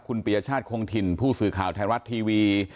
คุณปียชาติคงถิ่นผู้สื่อข่าวไทยรัฐทีวี